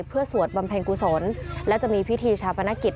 เพื่อสวดบำเพ็ญกุศลและจะมีพิธีชาปนกิจ